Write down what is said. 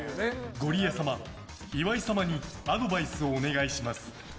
ゴリエ様、岩井様にアドバイスをお願いします。